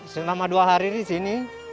selama dua hari ini